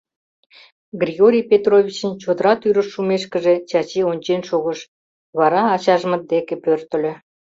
Григорий Петровичын чодыра тӱрыш шумешкыже, Чачи ончен шогыш, вара ачажмыт деке пӧртыльӧ.